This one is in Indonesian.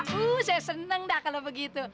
saya seneng dah kalau begitu